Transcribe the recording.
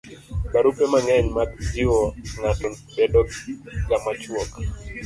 barupe mang'eny mag jiwo ng'ato bedo ga machuok